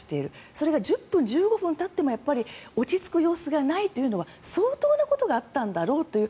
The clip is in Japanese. それが１０分、１５分たっても落ち着く様子がないというのは相当なことがあったんだろうという